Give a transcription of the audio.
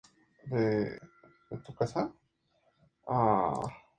Empieza a escribir artículos de Psicología.